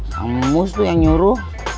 kamu mus tuh yang nyuruh